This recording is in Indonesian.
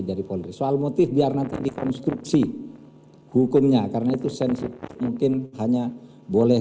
dari polri soal motif biar nanti dikonstruksi hukumnya karena itu sensitif mungkin hanya boleh